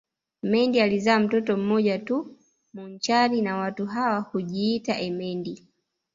Mendi alizaa mtoto mmoja tu Munchari na watu hawa hujiitia emendi